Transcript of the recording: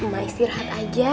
mak istirahat aja